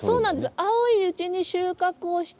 青いうちに収穫をして。